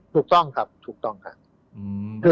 ถูกต้องครับถูกต้องครับ